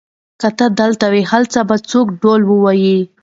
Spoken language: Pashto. که ته دلته وای، هر څه به بل ډول وو.